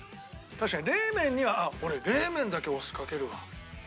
確かに冷麺にはあっ俺冷麺だけお酢かけるわ。